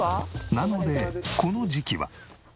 なのでこの時期は。